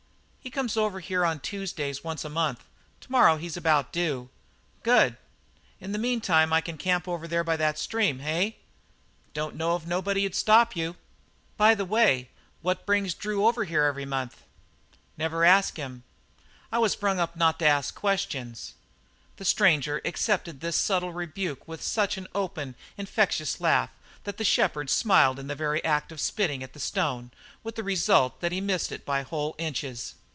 "He comes over here on Tuesdays once a month; to morrow he's about due." "Good. In the meantime I can camp over there by that stream, eh?" "Don't know of nobody who'd stop you." "By the way, what brings Drew over here every month?" "Never asked him. I was brung up not to ask questions." The stranger accepted this subtle rebuke with such an open, infectious laugh that the shepherd smiled in the very act of spitting at the stone, with the result that he missed it by whole inches.